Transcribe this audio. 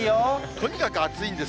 とにかく暑いんです。